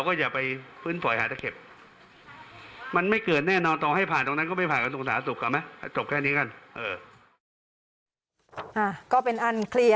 ก็เป็นอันเคลียร์นะคะ